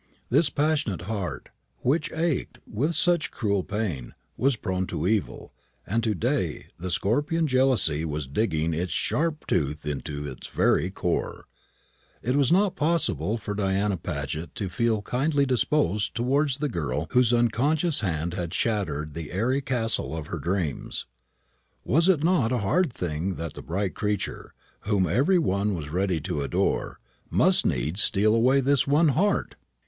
This passionate heart, which ached with such cruel pain, was prone to evil, and to day the scorpion Jealousy was digging his sharp tooth into its very core. It was not possible for Diana Paget to feel kindly disposed towards the girl whose unconscious hand had shattered the airy castle of her dreams. Was it not a hard thing that the bright creature, whom every one was ready to adore, must needs steal away this one heart?